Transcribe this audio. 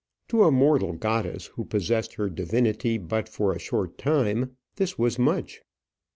To a mortal goddess, who possessed her divinity but for a short time, this was much.